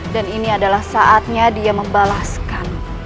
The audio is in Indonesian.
dan ini adalah saatnya dia membalaskan